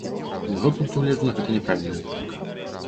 З майго пункту гледжання, гэта няправільная логіка.